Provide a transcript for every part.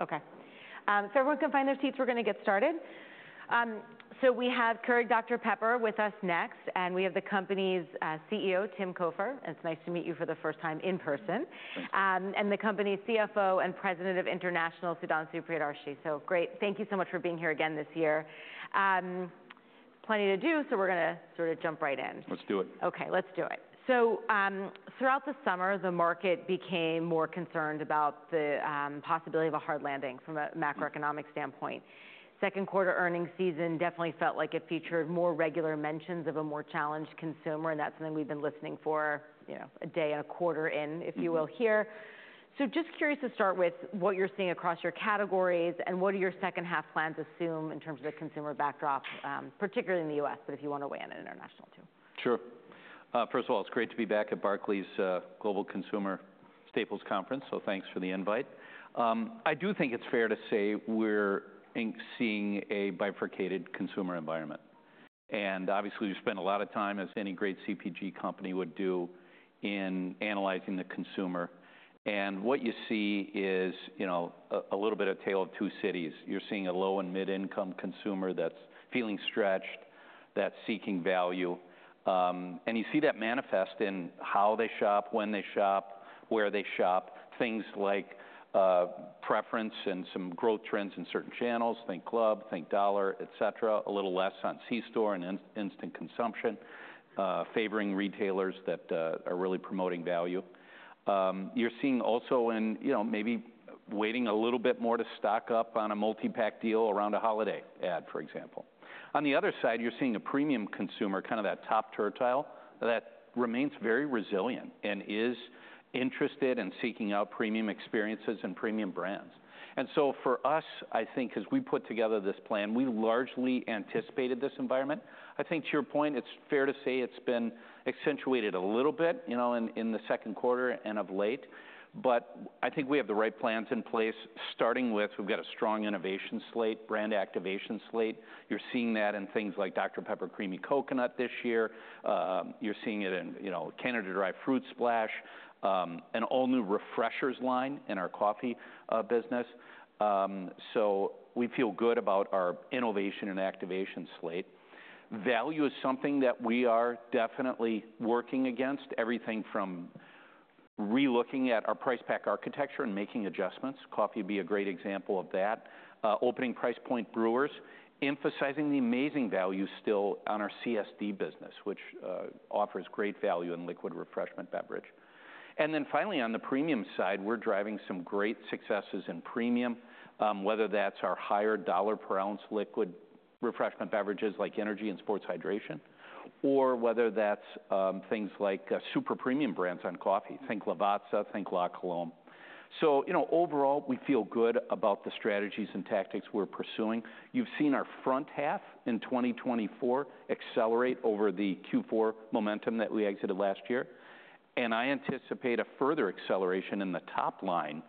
Okay. So everyone can find their seats, we're gonna get started. So we have Keurig Dr Pepper with us next, and we have the company's CEO, Tim Cofer. It's nice to meet you for the first time in person. Nice. The company's CFO and President of International, Sudhanshu Priyadarshi. So great, thank you so much for being here again this year. Plenty to do, so we're gonna sort of jump right in. Let's do it. Okay, let's do it. So, throughout the summer, the market became more concerned about the possibility of a hard landing from a- Mm... macroeconomic standpoint. Second quarter earnings season definitely felt like it featured more regular mentions of a more challenged consumer, and that's something we've been listening for, you know, a day and a quarter in- Mm-hmm If you will, here. So just curious to start with, what you're seeing across your categories, and what do your second half plans assume in terms of the consumer backdrop, particularly in the U.S., but if you want to weigh in on international, too? Sure. First of all, it's great to be back at Barclays Global Consumer Staples Conference, so thanks for the invite. I do think it's fair to say we're seeing a bifurcated consumer environment, and obviously we spend a lot of time, as any great CPG company would do, in analyzing the consumer, and what you see is, you know, a little bit of Tale of Two Cities. You're seeing a low and mid-income consumer that's feeling stretched, that's seeking value, and you see that manifest in how they shop, when they shop, where they shop. Things like preference and some growth trends in certain channels, think club, think dollar, et cetera, a little less on C-store and instant consumption, favoring retailers that are really promoting value. You're seeing also in, you know, maybe waiting a little bit more to stock up on a multi-pack deal around a holiday ad, for example. On the other side, you're seeing a premium consumer, kind of that top tertile, that remains very resilient and is interested in seeking out premium experiences and premium brands. And so for us, I think, as we put together this plan, we largely anticipated this environment. I think to your point, it's fair to say it's been accentuated a little bit, you know, in the second quarter and of late, but I think we have the right plans in place, starting with, we've got a strong innovation slate, brand activation slate. You're seeing that in things like Dr Pepper Creamy Coconut this year. You're seeing it in, you know, Canada Dry Fruit Splash, an all-new refreshers line in our coffee business, so we feel good about our innovation and activation slate. Value is something that we are definitely working against. Everything from relooking at our price pack architecture and making adjustments. Coffee would be a great example of that, opening price point brewers, emphasizing the amazing value still on our CSD business, which offers great value in liquid refreshment beverage, and then finally, on the premium side, we're driving some great successes in premium, whether that's our higher dollar per ounce liquid refreshment beverages like energy and sports hydration, or whether that's things like super premium brands on coffee. Think Lavazza, think La Colombe, so you know, overall, we feel good about the strategies and tactics we're pursuing. You've seen our front half in twenty twenty-four accelerate over the Q4 momentum that we exited last year, and I anticipate a further acceleration in the top line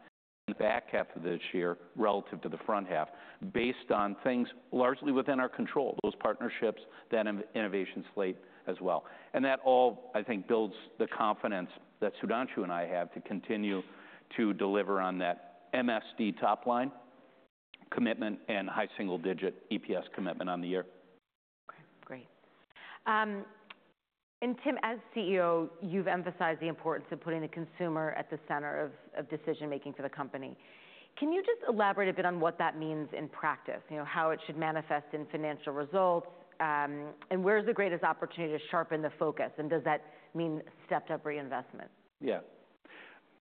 in the back half of this year relative to the front half, based on things largely within our control, those partnerships, that innovation slate as well, and that all, I think, builds the confidence that Sudhanshu and I have to continue to deliver on that MSD top line commitment and high single-digit EPS commitment on the year. Okay, great. And Tim, as CEO, you've emphasized the importance of putting the consumer at the center of decision-making for the company. Can you just elaborate a bit on what that means in practice? You know, how it should manifest in financial results, and where's the greatest opportunity to sharpen the focus, and does that mean stepped up reinvestment? Yeah.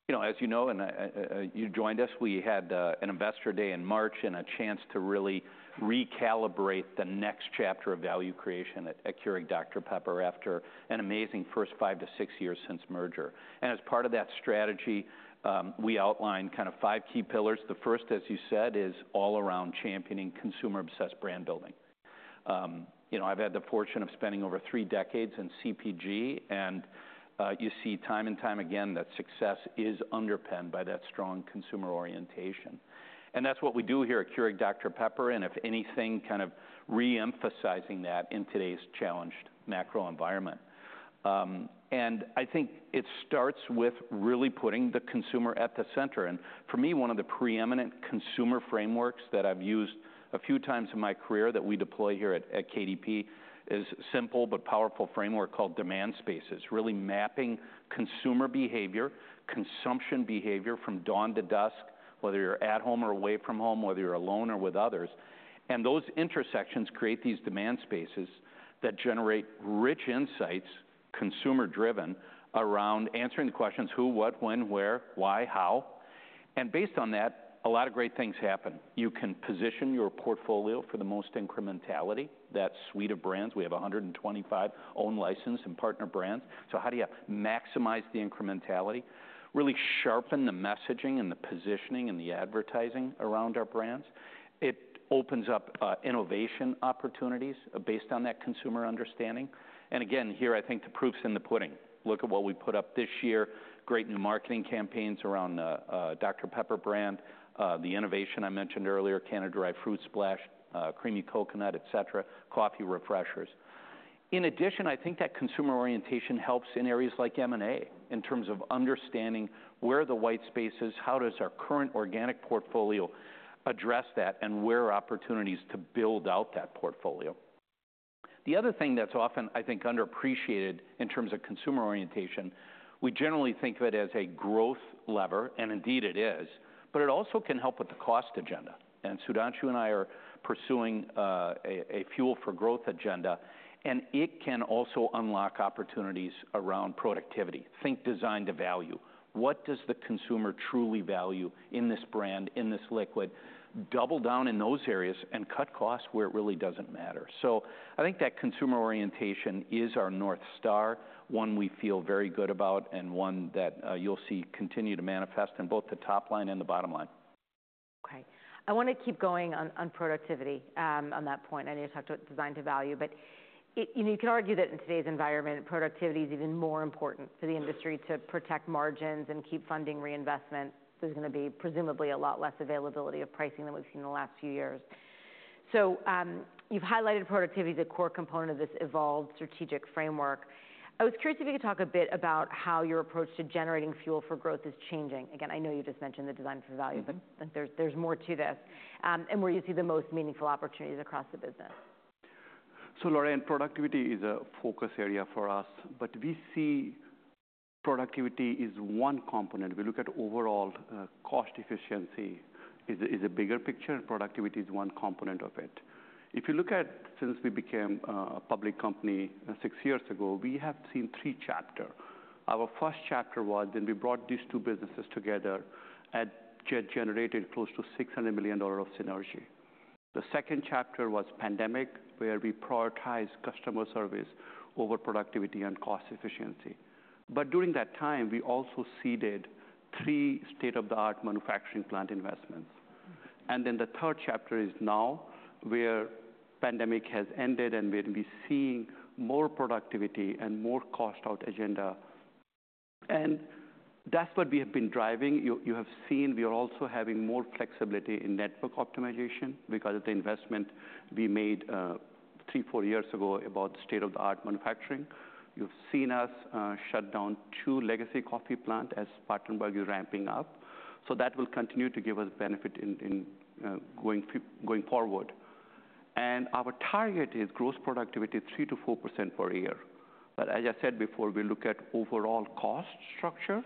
You know, as you know, and you joined us, we had an Investor Day in March and a chance to really recalibrate the next chapter of value creation at Keurig Dr Pepper after an amazing first five to six years since merger. And as part of that strategy, we outlined kind of five key pillars. The first, as you said, is all around championing consumer-obsessed brand building. You know, I've had the fortune of spending over three decades in CPG, and you see time and time again that success is underpinned by that strong consumer orientation. And that's what we do here at Keurig Dr Pepper, and if anything, kind of re-emphasizing that in today's challenged macro environment. And I think it starts with really putting the consumer at the center, and for me, one of the preeminent consumer frameworks that I've used a few times in my career that we deploy here at KDP is simple but powerful framework called Demand Spaces. Really mapping consumer behavior, consumption behavior from dawn to dusk, whether you're at home or away from home, whether you're alone or with others. And those intersections create these demand spaces that generate rich insights, consumer driven, around answering the questions: who, what, when, where, why, "how"? And based on that, a lot of great things happen. You can position your portfolio for the most incrementality, that suite of brands. We have a hundred and twenty-five own license and partner brands. So how do you maximize the incrementality, really sharpen the messaging and the positioning and the advertising around our brands? It opens up innovation opportunities based on that consumer understanding. And again, here, I think the proof's in the pudding. Look at what we put up this year. Great new marketing campaigns around the Dr Pepper brand, the innovation I mentioned earlier, Canada Dry Fruit Splash, Creamy Coconut, et cetera, coffee refreshers. In addition, I think that consumer orientation helps in areas like M&A, in terms of understanding where are the white spaces, how does our current organic portfolio address that, and where are opportunities to build out that portfolio? The other thing that's often, I think, underappreciated in terms of consumer orientation, we generally think of it as a growth lever, and indeed it is, but it also can help with the cost agenda. Sudhanshu and I are pursuing a Fuel for Growth agenda, and it can also unlock opportunities around productivity. Think design to value. What does the consumer truly value in this brand, in this liquid? Double down in those areas, and cut costs where it really doesn't matter. So I think that consumer orientation is our North Star, one we feel very good about, and one that you'll see continue to manifest in both the top line and the bottom line. Okay. I wanna keep going on productivity, on that point. I know you talked about design to value, but, you know, you can argue that in today's environment, productivity is even more important to the industry to protect margins and keep funding reinvestment. There's gonna be presumably a lot less availability of pricing than we've seen in the last few years. So, you've highlighted productivity as a core component of this evolved strategic framework. I was curious if you could talk a bit about how your approach to generating fuel for growth is changing. Again, I know you just mentioned the design to value- Mm-hmm. but there's more to this, and where you see the most meaningful opportunities across the business. Lauren, productivity is a focus area for us, but we see productivity as one component. We look at overall cost efficiency as a bigger picture, and productivity is one component of it. If you look at since we became a public company six years ago, we have seen three chapters. Our first chapter was when we brought these two businesses together and generated close to $600 million of synergy. The second chapter was pandemic, where we prioritized customer service over productivity and cost efficiency. But during that time, we also seeded three state-of-the-art manufacturing plant investments. Then the third chapter is now, where pandemic has ended, and where we're seeing more productivity and more cost-out agenda. And that's what we have been driving. You have seen we are also having more flexibility in network optimization because of the investment we made three, four years ago about state-of-the-art manufacturing. You've seen us shut down two legacy coffee plants as Spartanburg is ramping up. So that will continue to give us benefit in going forward. And our target is gross productivity 3-4% per year. But as I said before, we look at overall cost structure.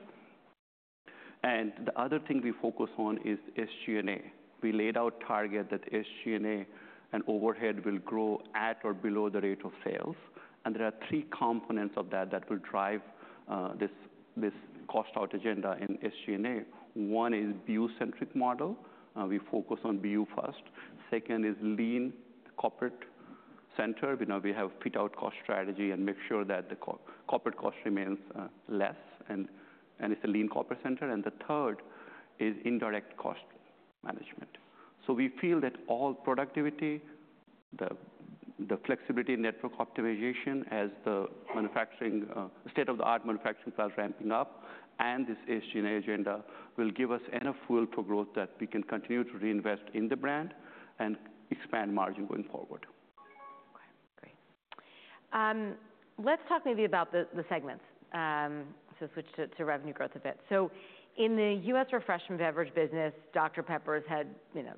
And the other thing we focus on is SG&A. We laid out target that SG&A and overhead will grow at or below the rate of sales, and there are three components of that that will drive this cost-out agenda in SG&A. One is BU-centric model. We focus on BU first. Second is lean corporate center. You know, we have fit-out cost strategy and make sure that the corporate cost remains less, and it's a lean corporate center. And the third is indirect cost management. So we feel that all productivity, the flexibility in network optimization as the manufacturing state-of-the-art manufacturing plant ramping up, and this SG&A agenda will give us enough fuel for growth that we can continue to reinvest in the brand and expand margin going forward. Okay, great. Let's talk maybe about the segments, so switch to revenue growth a bit. So in the U.S. Refreshment Beverage business, Dr Pepper has had, you know,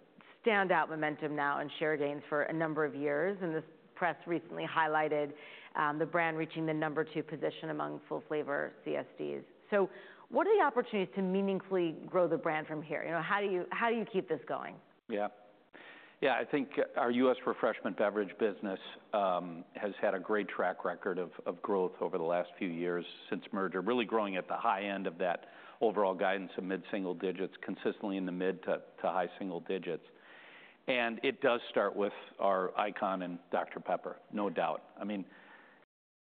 standout momentum now and share gains for a number of years, and the press recently highlighted the brand reaching the number two position among full-flavor CSDs. So what are the opportunities to meaningfully grow the brand from here? You know, how do you keep this going? Yeah. Yeah, I think our U.S. Refreshment Beverage business has had a great track record of growth over the last few years since merger, really growing at the high end of that overall guidance of mid-single digits, consistently in the mid to high single digits. And it does start with our icon in Dr Pepper, no doubt. I mean,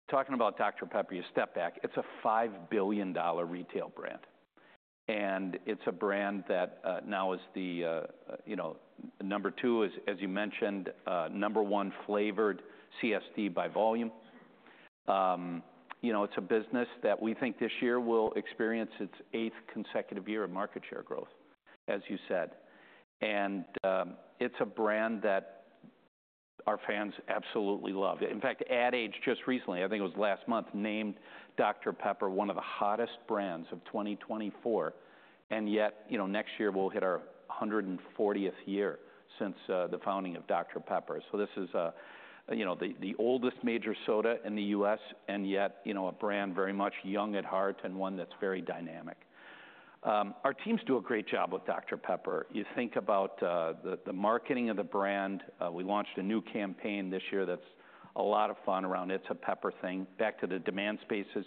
talking about Dr Pepper, you step back, it's a $5 billion retail brand, and it's a brand that now is the number two, as you mentioned, number one flavored CSD by volume. You know, it's a business that we think this year will experience its eighth consecutive year of market share growth, as you said. And it's a brand that our fans absolutely love. In fact, Ad Age just recently, I think it was last month, named Dr Pepper one of the hottest brands of 2024, and yet, you know, next year we'll hit our hundred and fortieth year since the founding of Dr Pepper. So this is, you know, the oldest major soda in the U.S., and yet, you know, a brand very much young at heart and one that's very dynamic. Our teams do a great job with Dr Pepper. You think about the marketing of the brand. We launched a new campaign this year that's a lot of fun around It's a Pepper Thing. Back to the Demand Spaces,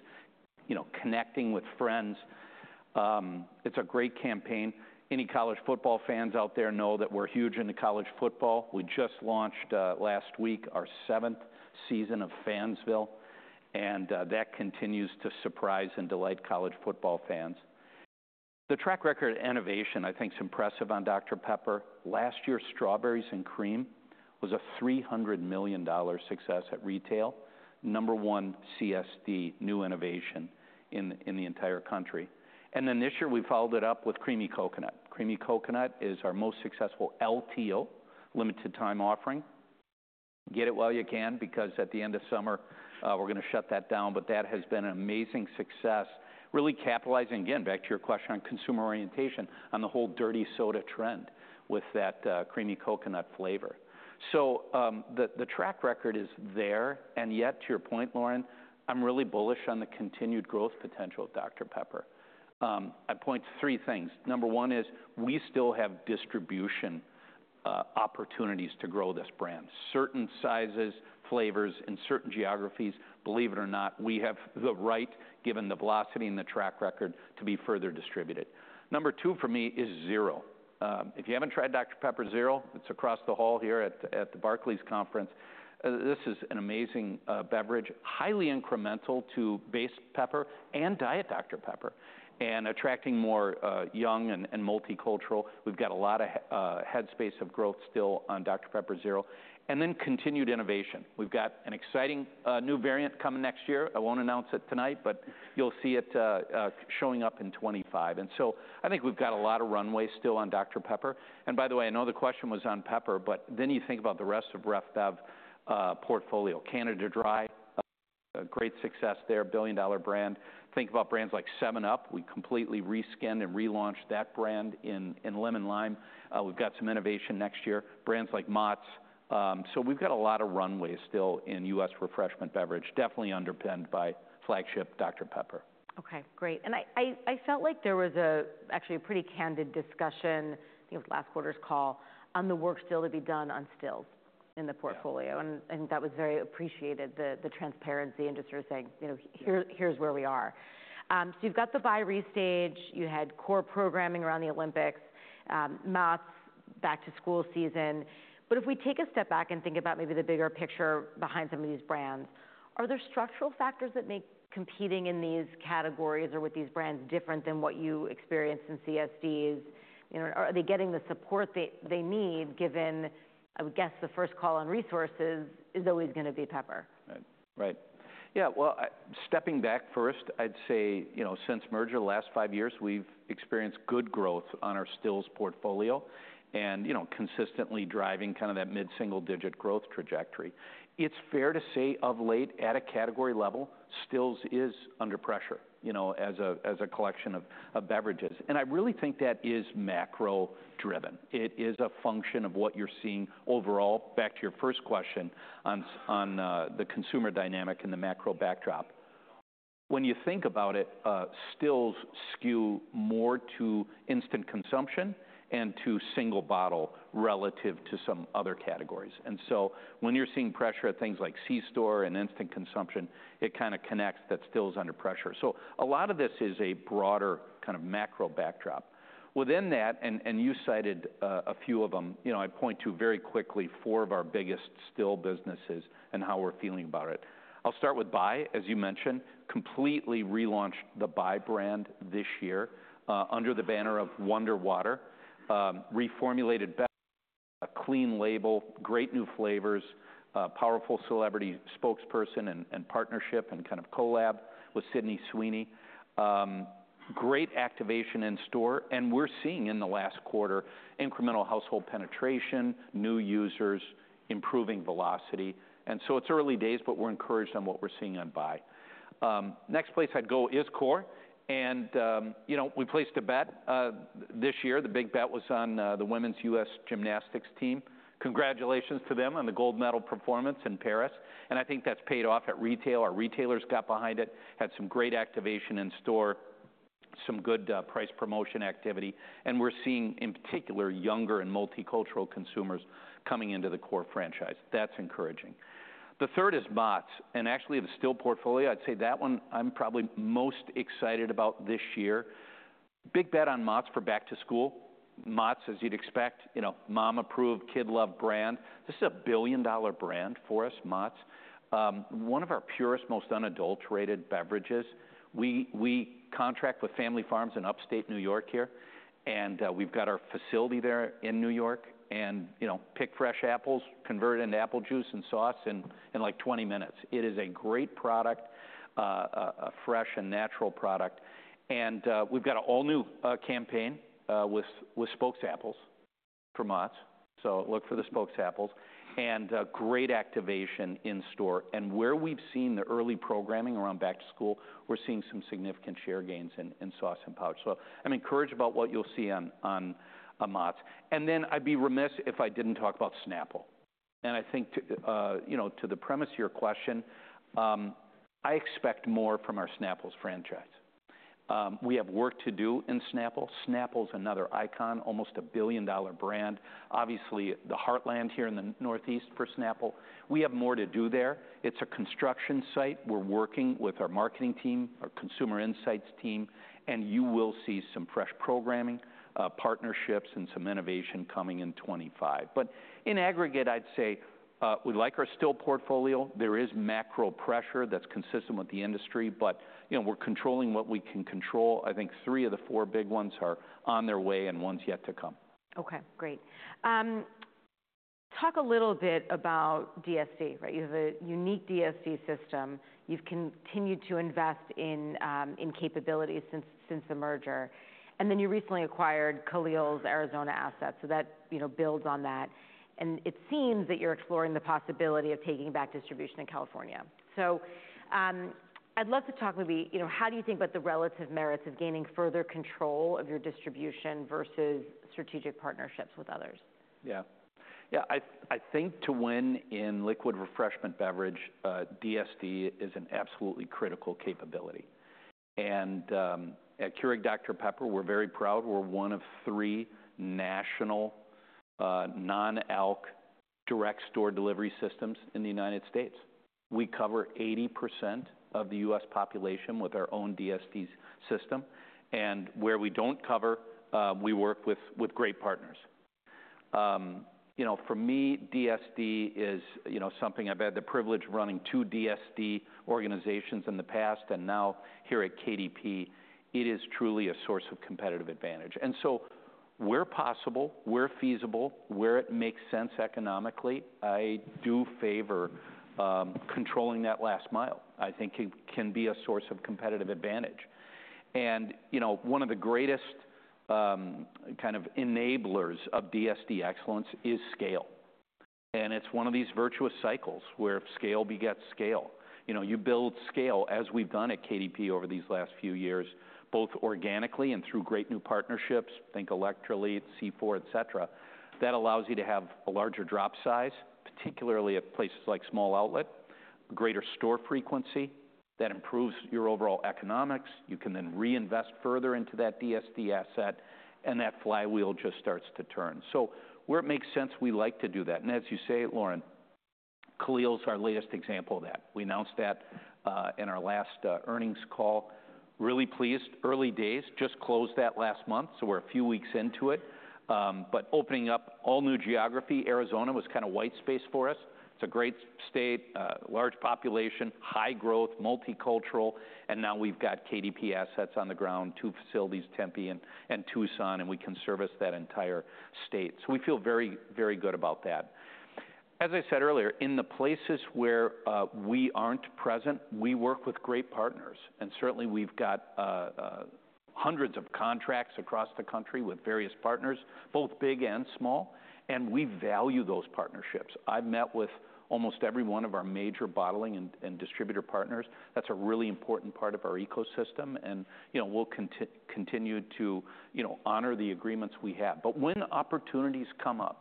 you know, connecting with friends. It's a great campaign. Any college football fans out there know that we're huge into college football. We just launched last week our seventh season of Fansville, and that continues to surprise and delight college football fans. The track record innovation, I think, is impressive on Dr Pepper. Last year, Strawberries & Cream was a $300 million success at retail. Number one CSD new innovation in the entire country. And then this year, we followed it up with Creamy Coconut. Creamy Coconut is our most successful LTO, limited time offering. Get it while you can, because at the end of summer, we're going to shut that down. But that has been an amazing success, really capitalizing. Again, back to your question on consumer orientation, on the whole dirty soda trend with that creamy coconut flavor. So, the track record is there, and yet, to your point, Lauren, I'm really bullish on the continued growth potential of Dr Pepper. I point to three things. Number one is, we still have distribution opportunities to grow this brand. Certain sizes, flavors, in certain geographies, believe it or not, we have the right, given the velocity and the track record, to be further distributed. Number two for me is Zero. If you haven't tried Dr Pepper Zero, it's across the hall here at the Barclays Conference. This is an amazing beverage, highly incremental to base Pepper and Diet Dr Pepper, and attracting more young and multicultural. We've got a lot of headspace of growth still on Dr Pepper Zero. And then continued innovation. We've got an exciting new variant coming next year. I won't announce it tonight, but you'll see it showing up in twenty-five. And so I think we've got a lot of runway still on Dr Pepper. And by the way, I know the question was on Pepper, but then you think about the rest of RefBev portfolio. Canada Dry, a great success there, a billion-dollar brand. Think about brands like 7UP. We completely reskinned and relaunched that brand in Lemon Lime. We've got some innovation next year, brands like Mott's. So we've got a lot of runways still in U.S. Refreshment Beverage, definitely underpinned by flagship Dr Pepper. Okay, great. And I felt like there was actually a pretty candid discussion. I think it was last quarter's call, on the work still to be done on stills in the portfolio. Yeah. That was very appreciated, the transparency, and just sort of saying, "You know, here, here's where we are." So you've got the Bai restage, you had Core programming around the Olympics, Mott's back to school season. But if we take a step back and think about maybe the bigger picture behind some of these brands, are there structural factors that make competing in these categories or with these brands different than what you experienced in CSDs? You know, are they getting the support they need, given, I would guess, the first call on resources is always going to be Pepper. Right. Right. Yeah, well, stepping back first, I'd say, you know, since merger, the last five years, we've experienced good growth on our stills portfolio and, you know, consistently driving kind of that mid-single-digit growth trajectory. It's fair to say, of late, at a category level, stills is under pressure, you know, as a collection of beverages. And I really think that is macro-driven. It is a function of what you're seeing overall. Back to your first question on the consumer dynamic and the macro backdrop. When you think about it, stills skew more to instant consumption and to single bottle relative to some other categories. And so when you're seeing pressure at things like C-store and instant consumption, it kind of connects that stills under pressure. So a lot of this is a broader kind of macro backdrop. Within that, you cited a few of them, you know. I'd point to, very quickly, four of our biggest still businesses and how we're feeling about it. I'll start with Bai, as you mentioned. Completely relaunched the Bai brand this year, under the banner of WonderWater. Reformulated back, a clean label, great new flavors, powerful celebrity spokesperson and partnership, and kind of collab with Sydney Sweeney. Great activation in store, and we're seeing in the last quarter, incremental household penetration, new users, improving velocity, and so it's early days, but we're encouraged on what we're seeing on Bai. Next place I'd go is Core, and, you know, we placed a bet this year. The big bet was on the women's U.S. gymnastics team. Congratulations to them on the gold medal performance in Paris, and I think that's paid off at retail. Our retailers got behind it, had some great activation in store, some good price promotion activity, and we're seeing, in particular, younger and multicultural consumers coming into the Core franchise. That's encouraging. The third is Mott's, and actually, the still portfolio, I'd say that one I'm probably most excited about this year. Big bet on Mott's for back to school. Mott's, as you'd expect, you know, mom-approved, kid-loved brand. This is a billion-dollar brand for us, Mott's. One of our purest, most unadulterated beverages. We contract with family farms in upstate New York here, and we've got our facility there in New York, and, you know, pick fresh apples, convert it into apple juice and sauce in like twenty minutes. It is a great product, a fresh and natural product, and we've got an all-new campaign with Spokesapples for Mott's. So look for the Spokesapples. Great activation in store. Where we've seen the early programming around back to school, we're seeing some significant share gains in sauce and pouch. So I'm encouraged about what you'll see on Mott's. Then I'd be remiss if I didn't talk about Snapple. I think, you know, to the premise of your question, I expect more from our Snapple's franchise. We have work to do in Snapple. Snapple's another icon, almost a billion-dollar brand. Obviously, the heartland here in the Northeast for Snapple. We have more to do there. It's a construction site. We're working with our marketing team, our consumer insights team, and you will see some fresh programming, partnerships, and some innovation coming in 2025. But in aggregate, I'd say, we like our still portfolio. There is macro pressure that's consistent with the industry, but, you know, we're controlling what we can control. I think three of the four big ones are on their way, and one's yet to come. Okay, great. Talk a little bit about DSD, right? You have a unique DSD system. You've continued to invest in capabilities since the merger, and then you recently acquired Keurig's Arizona assets, so that, you know, builds on that and it seems that you're exploring the possibility of taking back distribution in California, so I'd love to talk maybe, you know, how do you think about the relative merits of gaining further control of your distribution versus strategic partnerships with others? Yeah. Yeah, I think to win in liquid refreshment beverage, DSD is an absolutely critical capability. And at Keurig Dr Pepper, we're very proud. We're one of three national non-alc direct store delivery systems in the United States. We cover 80% of the U.S. population with our own DSD system, and where we don't cover, we work with great partners. You know, for me, DSD is, you know, something I've had the privilege of running two DSD organizations in the past, and now here at KDP, it is truly a source of competitive advantage. And so where possible, where feasible, where it makes sense economically, I do favor controlling that last mile. I think it can be a source of competitive advantage. And, you know, one of the greatest kind of enablers of DSD excellence is scale. And it's one of these virtuous cycles where scale begets scale. You know, you build scale as we've done at KDP over these last few years, both organically and through great new partnerships, think Electrolit, C4, et cetera. That allows you to have a larger drop size, particularly at places like small outlet, greater store frequency that improves your overall economics. You can then reinvest further into that DSD asset, and that flywheel just starts to turn. So where it makes sense, we like to do that. And as you say, Lauren, Keurig's our latest example of that. We announced that in our last earnings call. Really pleased, early days, just closed that last month, so we're a few weeks into it. But opening up all new geography, Arizona was kind of white space for us. It's a great state, large population, high growth, multicultural, and now we've got KDP assets on the ground, two facilities, Tempe and Tucson, and we can service that entire state. So we feel very, very good about that. As I said earlier, in the places where we aren't present, we work with great partners, and certainly we've got hundreds of contracts across the country with various partners, both big and small, and we value those partnerships. I've met with almost every one of our major bottling and distributor partners. That's a really important part of our ecosystem, and, you know, we'll continue to, you know, honor the agreements we have. But when opportunities come up,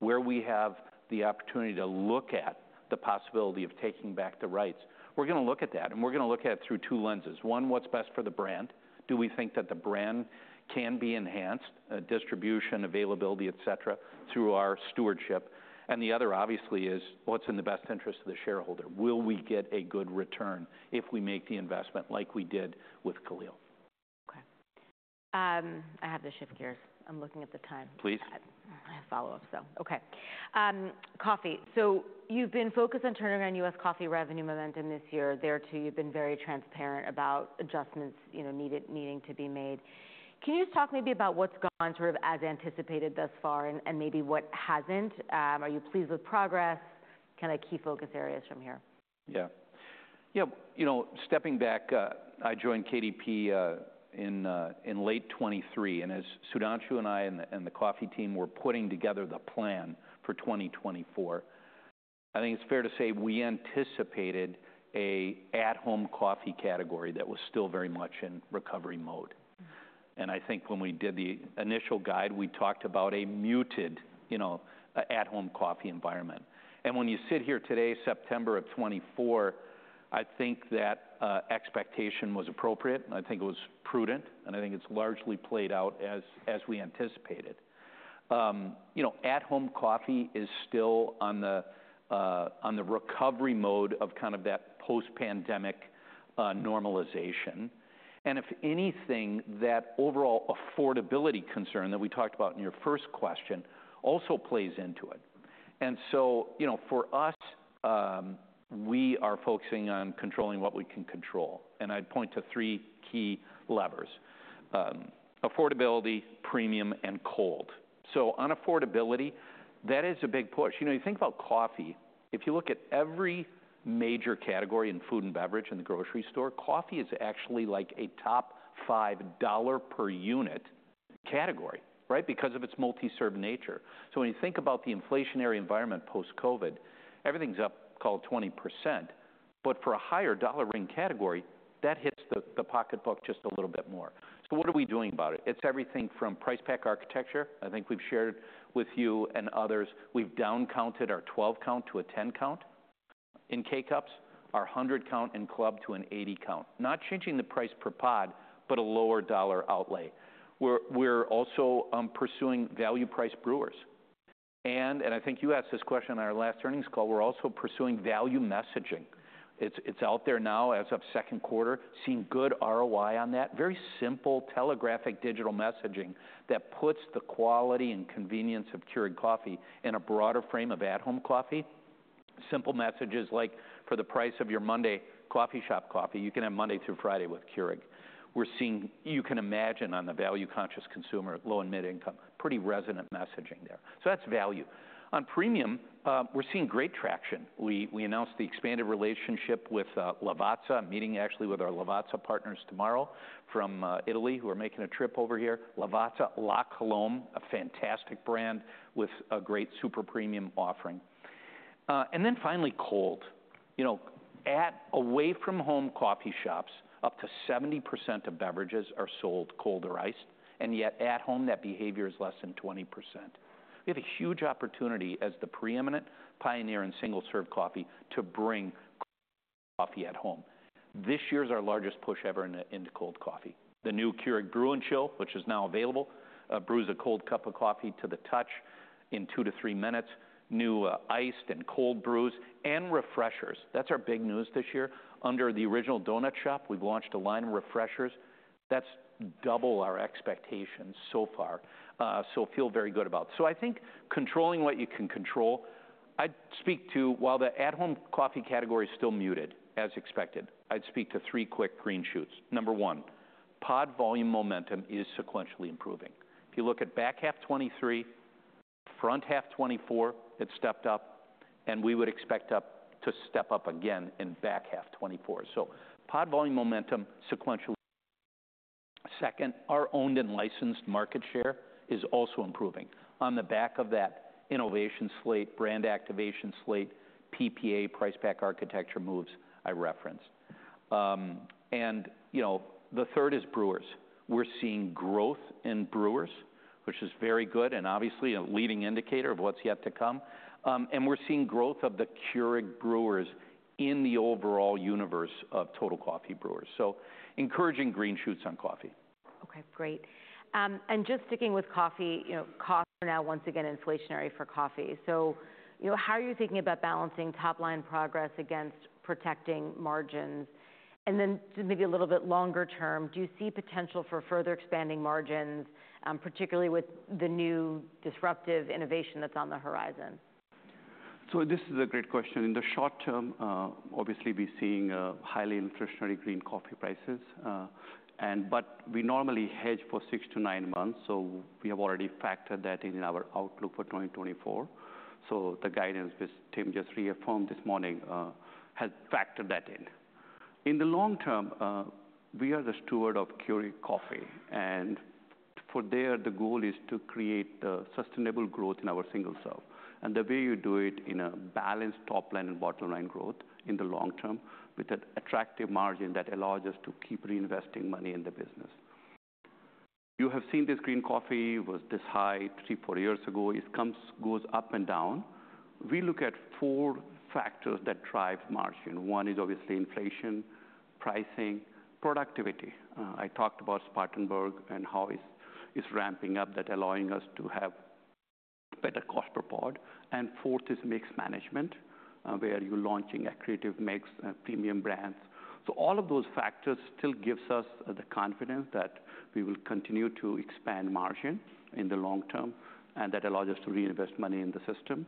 where we have the opportunity to look at the possibility of taking back the rights, we're gonna look at that, and we're gonna look at it through two lenses. One, what's best for the brand? Do we think that the brand can be enhanced, distribution, availability, et cetera, through our stewardship? And the other, obviously, is what's in the best interest of the shareholder? Will we get a good return if we make the investment like we did with Keurig? Okay. I have to shift gears. I'm looking at the time. Please. I have a follow-up, so okay. Coffee. So you've been focused on turning around US coffee revenue momentum this year. There, too, you've been very transparent about adjustments, you know, needed, needing to be made. Can you just talk maybe about what's gone sort of as anticipated thus far and, and maybe what hasn't? Are you pleased with progress? Kind of key focus areas from here. Yeah. Yeah, you know, stepping back, I joined KDP in late 2023, and as Sudhanshu and I and the coffee team were putting together the plan for 2024, I think it's fair to say we anticipated an at-home coffee category that was still very much in recovery mode. And I think when we did the initial guide, we talked about a muted, you know, an at-home coffee environment. And when you sit here today, September 2024, I think that expectation was appropriate, and I think it was prudent, and I think it's largely played out as we anticipated. You know, at-home coffee is still on the recovery mode of kind of that post-pandemic normalization. And if anything, that overall affordability concern that we talked about in your first question also plays into it. And so, you know, for us, we are focusing on controlling what we can control, and I'd point to three key levers: affordability, premium, and cold. So on affordability, that is a big push. You know, you think about coffee, if you look at every major category in food and beverage in the grocery store, coffee is actually like a top five dollar per unit category, right? Because of its multi-serve nature. So when you think about the inflationary environment post-COVID, everything's up, call it 20%, but for a higher dollar ring category, that hits the pocketbook just a little bit more. So what are we doing about it? It's everything from price pack architecture. I think we've shared with you and others, we've down-counted our 12-count to a 10-count in K-Cups, our 100-count in club to an 80-count. Not changing the price per pod, but a lower dollar outlay. We're also pursuing value price brewers. And I think you asked this question on our last earnings call, we're also pursuing value messaging. It's out there now as of second quarter, seeing good ROI on that. Very simple, telegraphic, digital messaging that puts the quality and convenience of Keurig coffee in a broader frame of at-home coffee... Simple messages like, for the price of your Monday coffee shop coffee, you can have Monday through Friday with Keurig. We're seeing, you can imagine on the value-conscious consumer, low and mid-income, pretty resonant messaging there. So that's value. On premium, we're seeing great traction. We announced the expanded relationship with Lavazza. I'm meeting actually with our Lavazza partners tomorrow from Italy, who are making a trip over here. Lavazza La Colombe, a fantastic brand with a great super premium offering. And then finally, cold. You know, at away-from-home coffee shops, up to 70% of beverages are sold cold or iced, and yet at home, that behavior is less than 20%. We have a huge opportunity as the preeminent pioneer in single-serve coffee to bring coffee at home. This year is our largest push ever into cold coffee. The new Keurig Brew+Chill, which is now available, brews a cold cup of coffee to the touch in two to three minutes. New iced and cold brews and refreshers. That's our big news this year. Under The Original Donut Shop, we've launched a line of refreshers. That's double our expectations so far, so feel very good about. So I think controlling what you can control. I'd speak to, while the at-home coffee category is still muted, as expected, three quick green shoots. Number one, pod volume momentum is sequentially improving. If you look at back half 2023, front half 2024, it stepped up, and we would expect to step up again in back half 2024. So pod volume momentum, sequentially. Second, our owned and licensed market share is also improving on the back of that innovation slate, brand activation slate, PPA, price pack architecture moves I referenced. And, you know, the third is brewers. We're seeing growth in brewers, which is very good and obviously a leading indicator of what's yet to come. And we're seeing growth of the Keurig brewers in the overall universe of total coffee brewers. So encouraging green shoots on coffee. Okay, great, and just sticking with coffee, you know, costs are now once again inflationary for coffee. So, you know, how are you thinking about balancing top-line progress against protecting margins? And then maybe a little bit longer term, do you see potential for further expanding margins, particularly with the new disruptive innovation that's on the horizon? This is a great question. In the short term, obviously, we're seeing highly inflationary green coffee prices, and but we normally hedge for six to nine months, so we have already factored that in in our outlook for 2024. The guidance, which Tim just reaffirmed this morning, has factored that in. In the long term, we are the steward of Keurig coffee, and therefore, the goal is to create sustainable growth in our single serve. The way you do it is with a balanced top line and bottom line growth in the long term, with an attractive margin that allows us to keep reinvesting money in the business. You have seen this green coffee was this high three, four years ago. It comes, goes up and down. We look at four factors that drive margin. One is obviously inflation, pricing, productivity. I talked about Spartanburg and how it's ramping up, that allowing us to have better cost per pod, and fourth is mix management, where you're launching a creative mix and premium brands, so all of those factors still gives us the confidence that we will continue to expand margin in the long term, and that allows us to reinvest money in the system.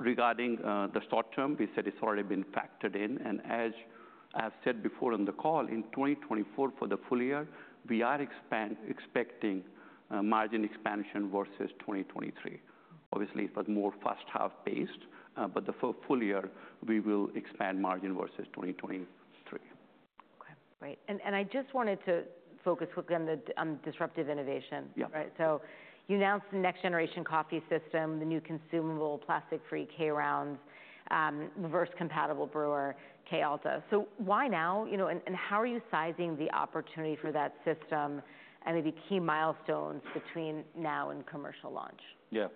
Regarding the short term, we said it's already been factored in, and as I've said before on the call, in 2024, for the full year, we are expecting margin expansion versus 2023. Obviously, it was more first half-paced, but the full year, we will expand margin versus 2023. Okay, great. And I just wanted to focus again on the disruptive innovation. Yeah. Right. So you announced the next generation coffee system, the new consumable plastic-free K-Rounds, reverse compatible brewer, Keurig Alta. So why now? You know, and how are you sizing the opportunity for that system and maybe key milestones between now and commercial launch? Yeah.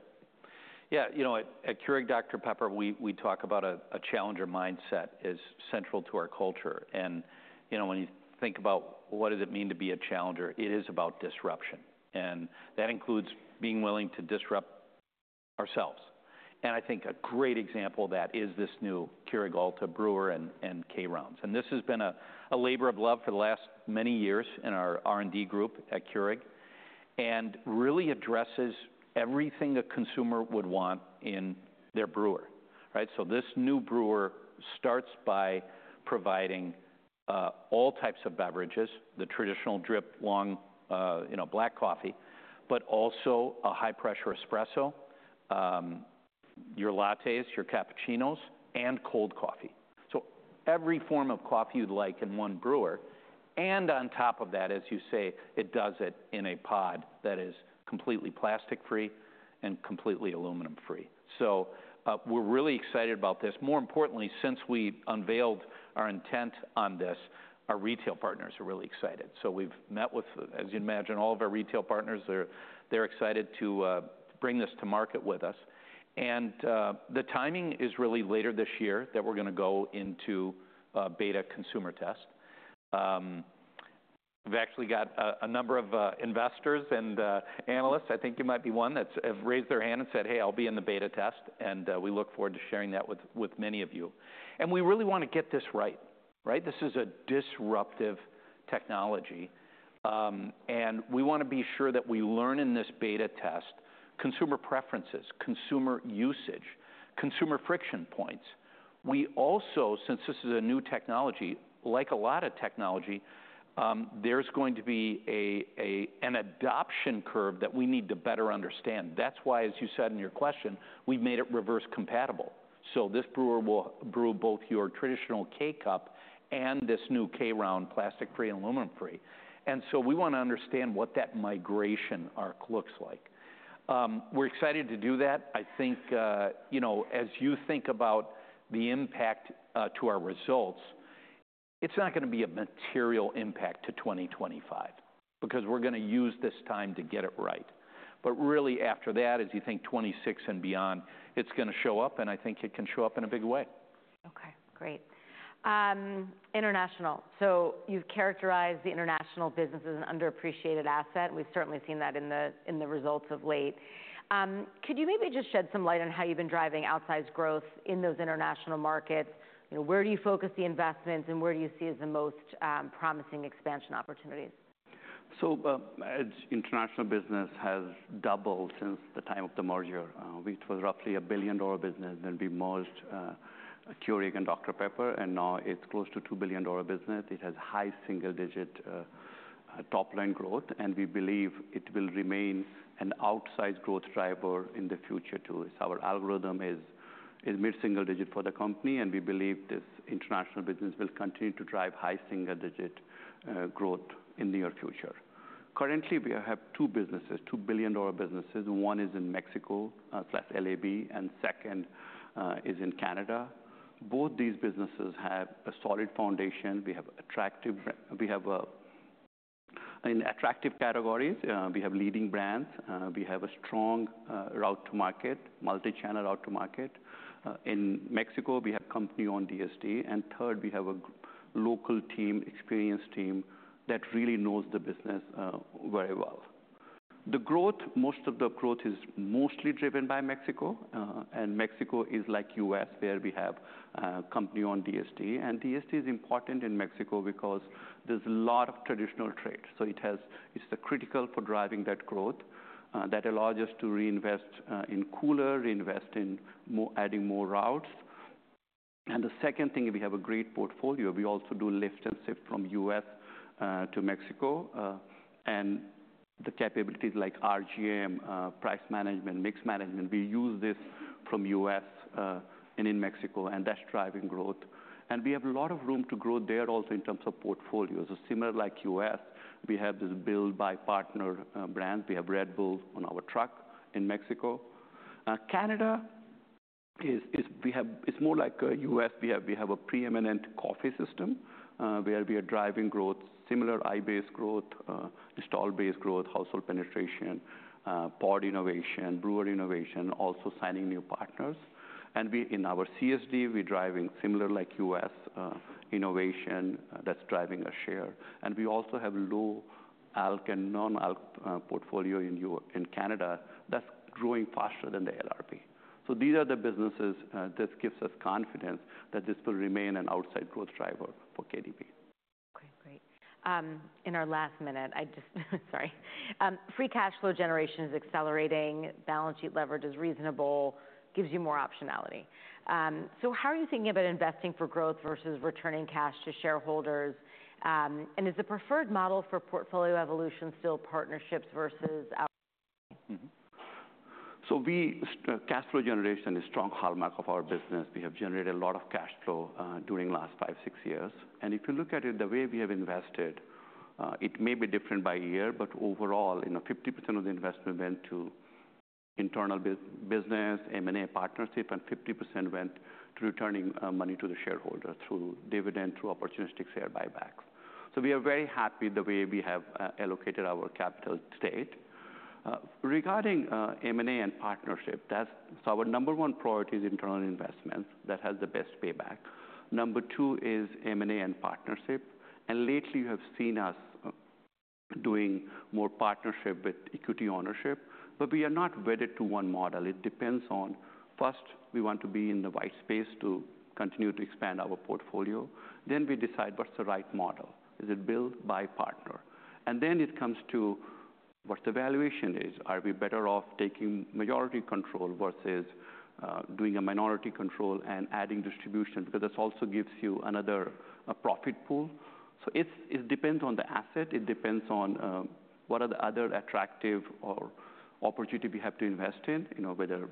Yeah, you know, at Keurig Dr Pepper, we talk about a challenger mindset as central to our culture. And, you know, when you think about what does it mean to be a challenger, it is about disruption, and that includes being willing to disrupt ourselves. And I think a great example of that is this new Keurig Alta brewer and K-Rounds. And this has been a labor of love for the last many years in our R&D group at Keurig, and really addresses everything a consumer would want in their brewer. Right? So this new brewer starts by providing all types of beverages, the traditional drip long, you know, black coffee, but also a high-pressure espresso, your lattes, your cappuccinos, and cold coffee. So every form of coffee you'd like in one brewer, and on top of that, as you say, it does it in a pod that is completely plastic-free and completely aluminum-free. So, we're really excited about this. More importantly, since we unveiled our intent on this, our retail partners are really excited. So we've met with, as you'd imagine, all of our retail partners. They're excited to bring this to market with us. And, the timing is really later this year that we're gonna go into a beta consumer test. We've actually got a number of investors and analysts, I think you might be one, that have raised their hand and said, "Hey, I'll be in the beta test," and we look forward to sharing that with many of you. And we really want to get this right. Right? This is a disruptive technology. And we wanna be sure that we learn in this beta test, consumer preferences, consumer usage, consumer friction points. We also, since this is a new technology, like a lot of technology, there's going to be a, a, an adoption curve that we need to better understand. That's why, as you said in your question, we've made it reverse compatible. So this brewer will brew both your traditional K-Cup and this new K-Round, plastic-free and aluminum-free. And so we wanna understand what that migration arc looks like. We're excited to do that. I think, you know, as you think about the impact to our results, it's not gonna be a material impact to 2025, because we're gonna use this time to get it right. But really, after that, as you think 2026 and beyond, it's gonna show up, and I think it can show up in a big way. Okay, great. International, so you've characterized the international business as an underappreciated asset, and we've certainly seen that in the results of late. Could you maybe just shed some light on how you've been driving outsized growth in those international markets? You know, where do you focus the investments, and where do you see as the most promising expansion opportunities? Our international business has doubled since the time of the merger, which was roughly a $1 billion business when we merged Keurig and Dr Pepper, and now it's close to a $2 billion business. It has high single-digit top-line growth, and we believe it will remain an outsized growth driver in the future, too. As our algorithm is mid-single-digit for the company, and we believe this international business will continue to drive high single-digit growth in the near future. Currently, we have two $1 billion businesses. One is in Mexico, plus LAB, and second is in Canada. Both these businesses have a solid foundation. We have attractive categories, we have leading brands, we have a strong route to market, multi-channel route to market. In Mexico, we have company-owned DSD, and there, we have a local team, experienced team, that really knows the business very well. The growth, most of the growth is mostly driven by Mexico, and Mexico is like US, where we have company-owned DSD. DSD is important in Mexico because there's a lot of traditional trade, so it's critical for driving that growth. That allows us to reinvest in coolers, reinvest in more, adding more routes. The second thing, we have a great portfolio. We also do lift and shift from US to Mexico, and the capabilities like RGM, price management, mix management, we use these from US and in Mexico, and that's driving growth. We have a lot of room to grow there also in terms of portfolio. So similar like U.S., we have these built by partner brands. We have Red Bull on our truck in Mexico. Canada is. It's more like U.S. We have a preeminent coffee system where we are driving growth, similar install base growth, household penetration, pod innovation, brewer innovation, also signing new partners. And we in our CSD, we're driving similar like U.S. innovation. That's driving our share. And we also have low-alc and non-alc portfolio in Canada, that's growing faster than the LRP. So these are the businesses that gives us confidence that this will remain an outsized growth driver for KDP. Okay, great. In our last minute, sorry. Free cash flow generation is accelerating, balance sheet leverage is reasonable, gives you more optionality. So how are you thinking about investing for growth versus returning cash to shareholders? And is the preferred model for portfolio evolution still partnerships versus out- Mm-hmm. So we cash flow generation is strong hallmark of our business. We have generated a lot of cash flow during last five, six years. And if you look at it, the way we have invested it may be different by year, but overall, you know, 50% of the investment went to internal business, M&A partnership, and 50% went to returning money to the shareholder through dividend, through opportunistic share buybacks. So we are very happy the way we have allocated our capital to date. Regarding M&A and partnership, that's. So our number one priority is internal investments. That has the best payback. Number two is M&A and partnership, and lately, you have seen us doing more partnership with equity ownership, but we are not wedded to one model. It depends on, first, we want to be in the white space to continue to expand our portfolio. Then we decide what's the right model. Is it build, buy, partner? And then it comes to what the valuation is. Are we better off taking majority control versus doing a minority control and adding distribution? Because this also gives you another, a profit pool. So it's, it depends on the asset, it depends on, what are the other attractive opportunities we have to invest in. You know, whether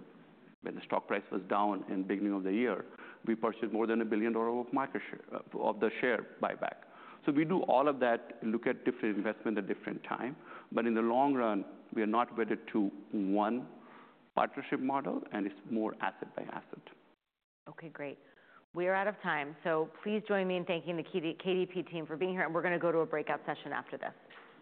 when the stock price was down in beginning of the year, we purchased more than $1 billion of the share buyback. So we do all of that and look at different investments at different times, but in the long run, we are not wedded to one partnership model, and it's more asset by asset. Okay, great. We are out of time, so please join me in thanking the KDP team for being here, and we're gonna go to a breakout session after this.